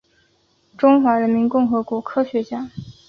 中华人民共和国科学家。